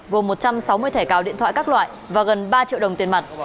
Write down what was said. gồm một trăm sáu mươi thẻ cào điện thoại các loại và gần ba triệu đồng tiền mặt